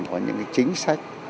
có những cái chính sách